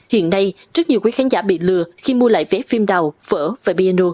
hiện nay rất nhiều quý khán giả bị lừa khi mua lại vé phim đào phở và piano